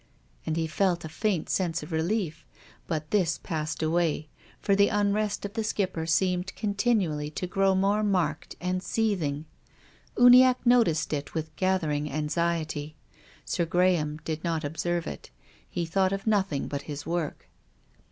And he felt a faint sense of relief. But this passed away, for the unrest of the Skipper seemed continually to grow more marked and seething. Uniacke noticed it with gathering anxiety. Sir Graham did not observe it. Rethought of noth ing but his work.